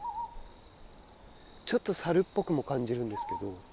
ちょっとサルっぽくも感じるんですけど。